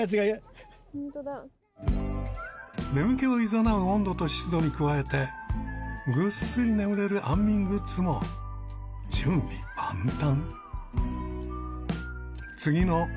［眠気をいざなう温度と湿度に加えてぐっすり眠れる安眠グッズも準備万端］